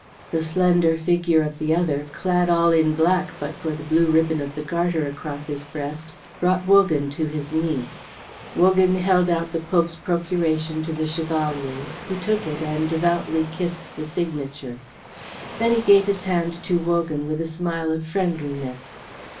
The slender figure of the other, clad all in black but for the blue ribbon of the Garter across his breast, brought Wogan to his knee. Wogan held out the Pope's procuration to the Chevalier, who took it and devoutly kissed the signature. Then he gave his hand to Wogan with a smile of friendliness.